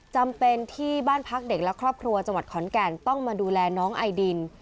จำเป็นที่บ้านพักเด็กและครอบครัวจังหวัดขอนแก่นต้องมาดูแลน้องไอดิน